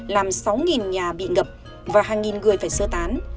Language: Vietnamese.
làm sáu nhà bị ngập và hàng nghìn người phải sơ tán